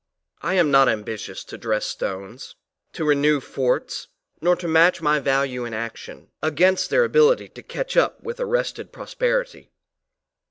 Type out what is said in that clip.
I am not ambitious to dress stones, to renew forts, nor to match my value in action, against their ability to catch up with arrested prosperity.